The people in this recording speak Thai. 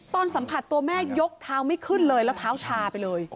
ตอนสัมผัสตัวแม่ยกเท้าไม่ขึ้นเลยแล้วเท้าชาไปเลย